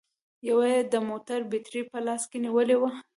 يوه يې د موټر بېټرۍ په لاس کې نيولې وه